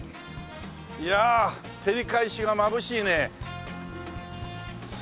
いやあ照り返しがまぶしいね！